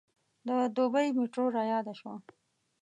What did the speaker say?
د دبۍ میټرو رایاده شوه.